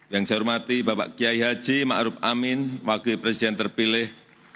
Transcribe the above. yang saya hormati bapak kiai haji ma'ruf amin wakil presiden terpilih dua ribu sembilan belas dua ribu dua puluh empat